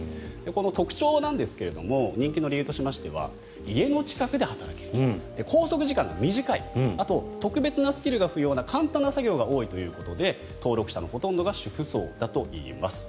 この特徴なんですが人気の理由としましては家の近くで働ける拘束時間が短いあと、特別なスキルが不要な簡単な作業が多いということで登録者のほとんどが主婦層だと言います。